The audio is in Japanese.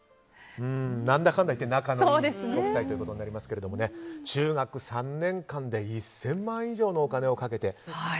何だかんだいって仲のいいご夫妻ということになりますけども中学３年間で１０００万以上のお金をかけて。